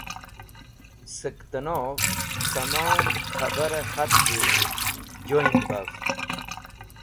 Sẽk tẽnov tẽmon khẽbarẽ khatvi (newsletter) joyn baf